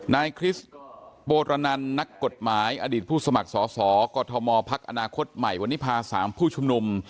คริสต์โบรนันนักกฎหมายอดีตผู้สมัครสอสอกอทมพักอนาคตใหม่วันนี้พา๓ผู้ชุมนุม